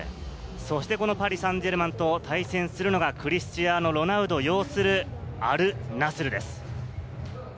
パリ・サンジェルマンと対戦するのがクリスティアーノ・ロナウド擁するアルナスルです。